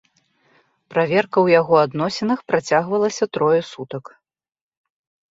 Праверка ў яго адносінах працягвалася трое сутак.